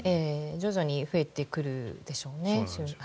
徐々に増えてくるでしょうね。